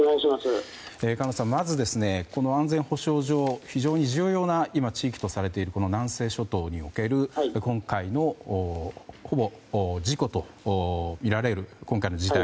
河野さん、まず安全保障上非常に重要な今、地域とされている南西諸島におけるほぼ事故とみられる今回の事態。